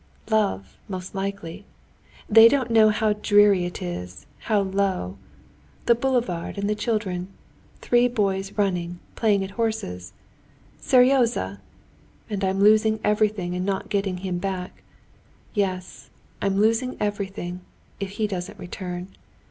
"Love, most likely. They don't know how dreary it is, how low.... The boulevard and the children. Three boys running, playing at horses. Seryozha! And I'm losing everything and not getting him back. Yes, I'm losing everything, if he doesn't return.